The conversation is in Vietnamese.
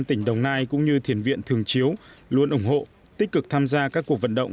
tỉnh đồng nai cũng như thiền viện thường chiếu luôn ủng hộ tích cực tham gia các cuộc vận động